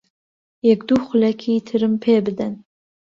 یەک دوو خولەکی ترم پێ بدەن.